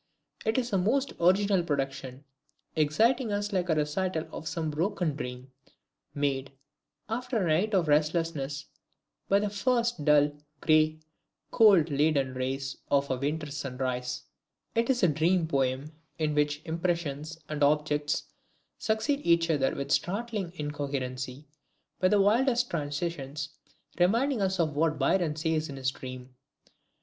It is a most original production, exciting us like the recital of some broken dream, made, after a night of restlessness, by the first dull, gray, cold, leaden rays of a winter's sunrise. It is a dream poem, in which the impressions and objects succeed each other with startling incoherency and with the wildest transitions, reminding us of what Byron says in his "DREAM